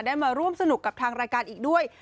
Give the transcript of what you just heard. มาร่วมสนุกกับทางรายการอีกด้วย